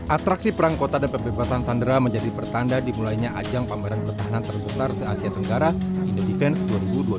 atraksi perang kota dan pembebasan sandera menjadi pertanda dimulainya ajang pameran pertahanan terbesar se asia tenggara indo defense dua ribu dua puluh tiga